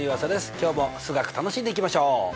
今日も数学楽しんでいきましょう。